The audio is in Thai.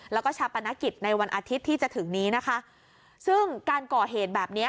แล้วก็ชาปนกิจในวันอาทิตย์ที่จะถึงนี้นะคะซึ่งการก่อเหตุแบบเนี้ย